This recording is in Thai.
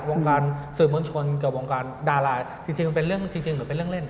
วงการสื่อมวลชนกับวงการดาราจริงมันเป็นเรื่องจริงหรือเป็นเรื่องเล่น